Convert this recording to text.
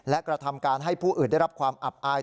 และกระทำการให้ผู้อื่นได้รับความอับอาย